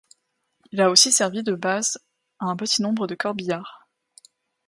Il a aussi servi de base à un petit nombre de corbillards.